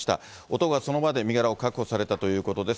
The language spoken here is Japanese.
男はその場で身柄を確保されたということです。